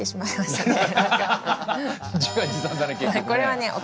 これはね